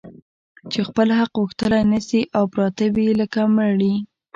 چي خپل حق غوښتلای نه سي او پراته وي لکه مړي